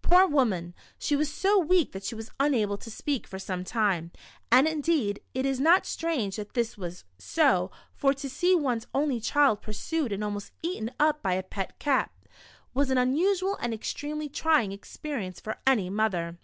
Poor woman, she was so weak that she was unable to speak for some time, and in deed it is not strange that this was so, for to see one's only child pursued and almost eaten up by a pet cat, was an unusual and extremely trying experience for any mother.